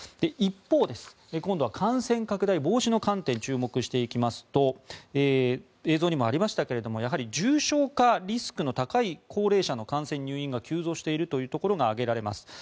一方、感染拡大防止の観点に注目していきますと映像にもありましたがやはり重症化リスクの高い高齢者の感染・入院が急増しているというところが挙げられます。